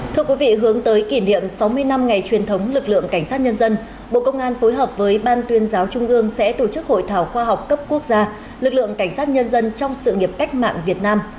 thưa quý vị hướng tới kỷ niệm sáu mươi năm ngày truyền thống lực lượng cảnh sát nhân dân bộ công an phối hợp với ban tuyên giáo trung ương sẽ tổ chức hội thảo khoa học cấp quốc gia lực lượng cảnh sát nhân dân trong sự nghiệp cách mạng việt nam